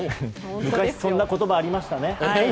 昔そんな言葉ありましたね。